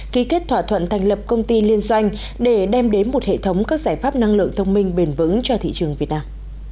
ký kết thỏa thuận thành lập công ty liên doanh để đem đến một hệ thống các giải pháp năng lượng thông minh bền vững cho thị trường việt nam